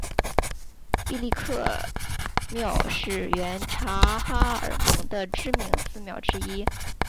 毕力克庙是原察哈尔盟的知名寺庙之一。